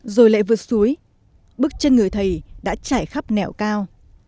rồi lại vượt suối bước chân người thầy đã trải khắp nẻo cao